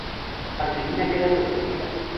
Marcelina queda sorprendida.